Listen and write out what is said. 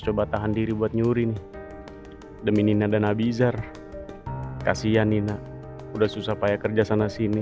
coba tahan diri buat nyuri demi nina dan abizar kasihan nina udah susah payah kerja sana sini